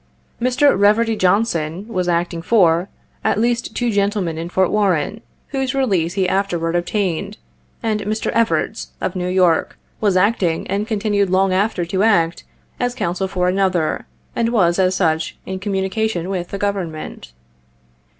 Mr. Keverdy Johnson, was acting for, at least two gentlemen in Fort Warren, whose release he afterwards obtained ; and Mr. Evarts, of New York, was acting, and continued long after to act, as counsel for another, and was, as such, in communication with the Government.